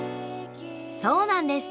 そうなんです。